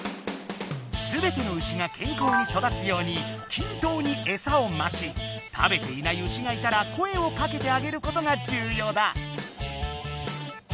すべての牛が健康に育つように均等にエサをまき食べていない牛がいたら声をかけてあげることがじゅうようだ！